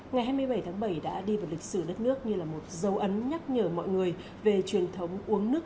ngày hai mươi bảy tháng bảy đã đi vào lịch sử đất nước như là một dấu ấn nhắc nhở mọi người về truyền thống uống nước